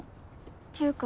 っていうか